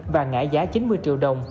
và ngã giá chín mươi triệu đồng